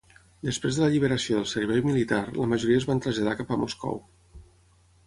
Després de l'alliberació del servei militar, la majoria es van traslladar cap a Moscou.